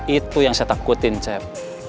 itu yang saya takutin cep